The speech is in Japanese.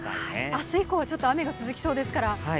明日以降は雨が続きそうですから。